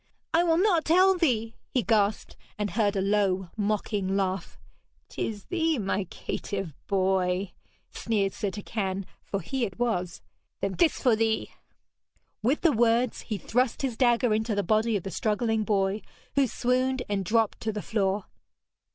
'I will not tell thee!' he gasped, and heard a low mocking laugh. ''Tis thee, my caitiff boy!' sneered Sir Turquine, for he it was. 'Then this for thee!' With the words he thrust his dagger into the body of the struggling boy, who swooned and dropped to the floor.